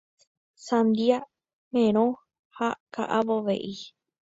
Sandia, merõ ha ka'avove'i